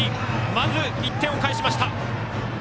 まず１点を返しました。